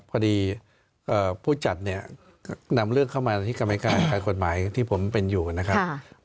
ผู้จัดเนี่ยนำเรื่องเข้ามาที่กรรมการฝ่ายกฎหมายที่ผมเป็นอยู่นะครับ